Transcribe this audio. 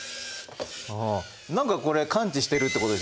何かこれ感知してるってことですよね。